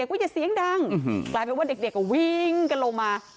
ว่าอย่าเสียงดังกลายเป็นว่าเด็กก็วิ่งกันลงมา